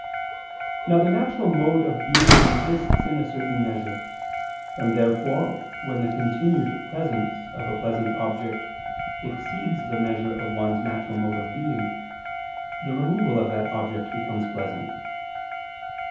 Now the natural mode of being consists in a certain measure; and therefore when the continued presence of a pleasant object exceeds the measure of one's natural mode of being, the removal of that object becomes pleasant.